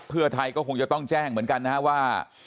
เพื่อไทยก็คงจะจ้างว่า